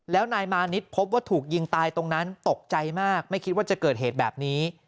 แล้วนายมานิดพบว่าถูกยิงตายตรงนั้นตกใจมากไม่คิดว่าจะเกิดเหตุแบบนี้